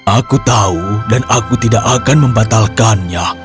aku tahu dan aku tidak akan membatalkannya